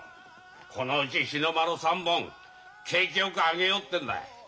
このうち日の丸３本景気よく上げようってんだ。